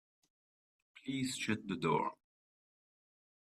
Please shut the door.